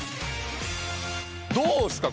どうすか？